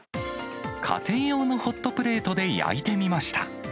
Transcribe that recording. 家庭用のホットプレートで焼いてみました。